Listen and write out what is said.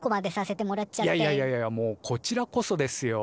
いやいやいやもうこちらこそですよ